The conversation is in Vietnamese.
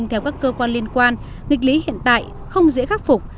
theo các cơ quan liên quan nghịch lý hiện tại không dễ khắc phục